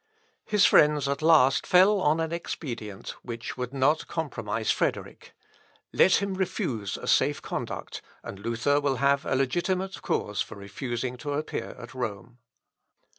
His friends at last fell on an expedient which would not compromise Frederick. Let him refuse a safe conduct, and Luther will have a legitimate cause for refusing to appear at Rome.